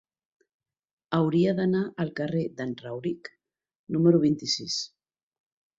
Hauria d'anar al carrer d'en Rauric número vint-i-sis.